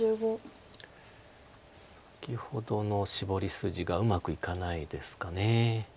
先ほどのシボリ筋がうまくいかないですか。